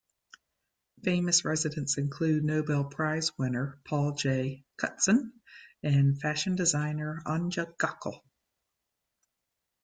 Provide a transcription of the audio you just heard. Famous residents include Nobel Prize Winner "Paul J. Crutzen" and fashion designer "Anja Gockel".